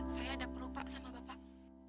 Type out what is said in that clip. saya ada perlupa sama bapak